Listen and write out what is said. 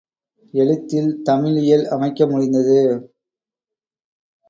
எழுத்தில் தமிழ் இயல் அமைக்க முடிந்தது.